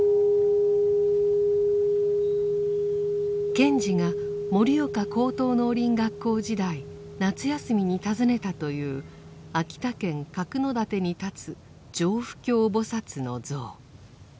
賢治が盛岡高等農林学校時代夏休みに訪ねたという秋田県角館に立つ常不軽菩薩の像。